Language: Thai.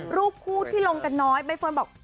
รูปคู่ที่ลงกันน้อยใบเฟิร์นบอก